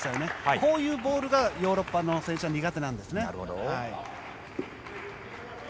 こういうボールがヨーロッパの選手は苦手なんですね。